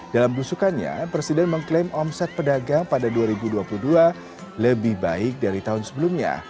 dalam busukannya presiden mengklaim omset pedagang pada dua ribu dua puluh dua lebih baik dari tahun sebelumnya